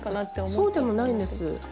そうでもないんです。